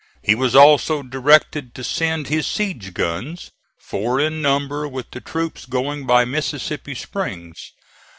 He was also directed to send his siege guns, four in number with the troops going by Mississippi Springs.